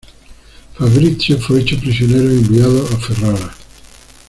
Fabrizio fue hecho prisionero y enviado a Ferrara.